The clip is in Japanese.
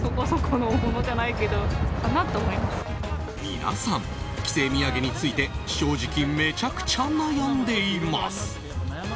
皆さん、帰省土産について正直めちゃくちゃ悩んでいます。